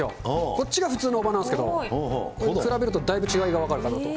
こっちが普通の大葉なんですけど、これに比べるとだいぶ違いが分かるかなと。